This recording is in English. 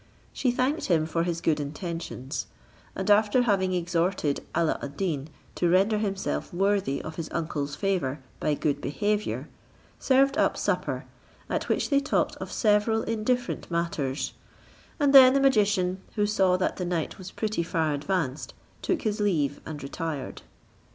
She thanked him for his good intentions; and after having exhorted Alla ad Deen to render himself worthy of his uncle's favour by good behaviour, served up supper, at which they talked of several indifferent matters; and then the magician, who saw that the night was pretty far advanced, took his leave, and retired.